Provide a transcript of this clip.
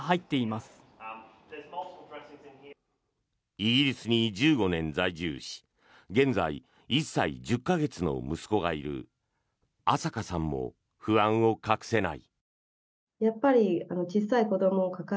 イギリスに１５年在住し現在、１歳１０か月の息子がいるアサカさんも不安を隠せない。